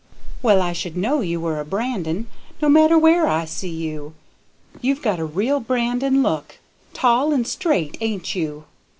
Well, I should know you were a Brandon, no matter where I see you. You've got a real Brandon look; tall and straight, ain't you?